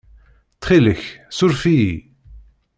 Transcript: Ttxil-k, ssuref-iyi.